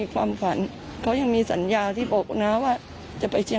ความคิดที่ภัย